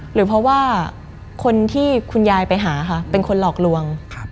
หรือเพราะว่าคนที่คุณยายไปหาค่ะเป็นคนหลอกลวง